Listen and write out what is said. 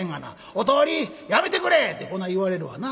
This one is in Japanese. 『お通り！やめてくれ！』ってこない言われるわな。